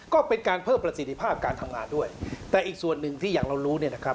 ก็เป็นการเพิ่มประสิทธิภาพการทำงานด้วยแต่อีกส่วนหนึ่งที่อย่างเรารู้เนี่ยนะครับ